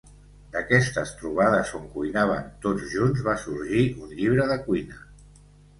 D'aquestes trobades on cuinaven tots junts, va sorgir un llibre de cuina.